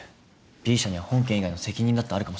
Ｂ社には本件以外の責任だってあるかもしれない。